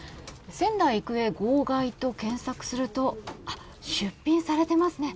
「仙台育英号外」と検索すると出品されていますね。